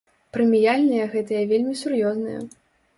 Прэміяльныя гэтыя вельмі сур'ёзныя.